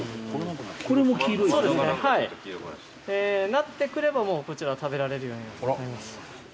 なってくればもうこちら食べられるようになります。